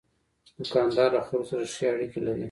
دوکاندار له خلکو سره ښې اړیکې لري.